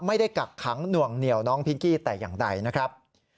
กักขังหน่วงเหนียวน้องพิงกี้แต่อย่างใดนะครับ